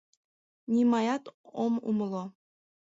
Нимаят ом умыло...